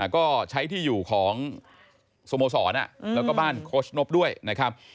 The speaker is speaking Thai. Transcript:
ก็ใช้ที่อยู่ของสโมสรแล้วก็บ้านโคชนบด้วยนะครับ